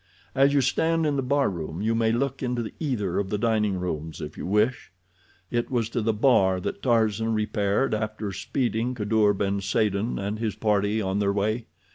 As you stand in the barroom you may look into either of the dining rooms if you wish. It was to the bar that Tarzan repaired after speeding Kadour ben Saden and his party on their way.